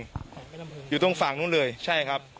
ของแม่ลำเริงอยู่ตรงฝั่งนู้นเลยใช่ครับ